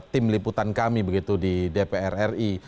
tim liputan kami begitu di dpr ri